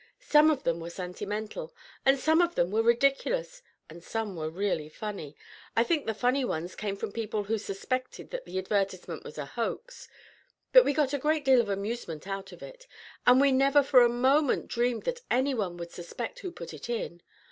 Some of them were sentimental, and some of them were ridiculous, and some were really funny. I think the funny ones came from people who suspected that the advertisement was a hoax; but we got a great deal of amusement out of it, and we never for a moment dreamed that any one would suspect who put it in.